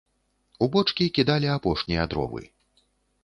У бочкі кідалі апошнія дровы.